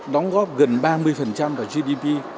đóng góp gần ba mươi vào gdp